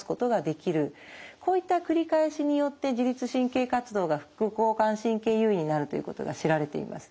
こういった繰り返しによって自律神経活動が副交感神経優位になるということが知られています。